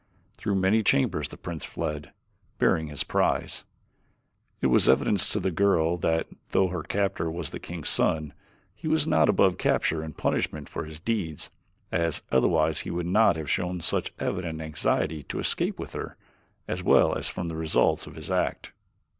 Through many chambers the prince fled, bearing his prize. It was evident to the girl that, though her captor was the king's son, he was not above capture and punishment for his deeds, as otherwise he would not have shown such evident anxiety to escape with her, as well as from the results of his act.